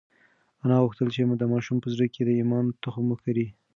انا غوښتل چې د ماشوم په زړه کې د ایمان تخم وکري.